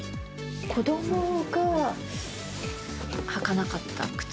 子どもが履かなかった靴。